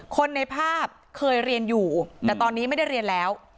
คนในภาพเคยเรียนอยู่แต่ตอนนี้ไม่ได้เรียนแล้ว